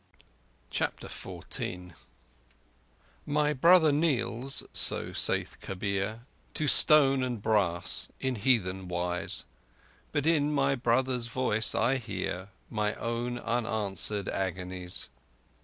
CHAPTER XIV My brother kneels (so saith Kabir) To stone and brass in heathen wise, But in my brother's voice I hear My own unanswered agonies.